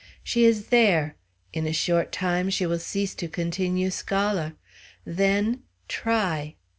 "She is there; in a short time she will cease to continue scholah; then try."